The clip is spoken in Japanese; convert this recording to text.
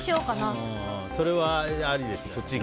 それはありですよ。